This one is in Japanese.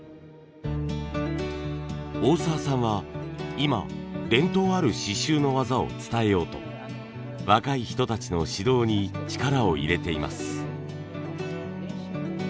大澤さんは今伝統ある刺繍の技を伝えようと若い人たちの指導に力を入れています。